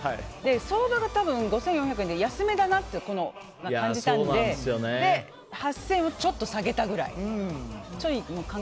相場が５４００円で安めだなと感じたので８０００円をちょっと下げたぐらい。